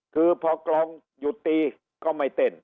คือพอกลองหยุดตีก็ไม่เต้น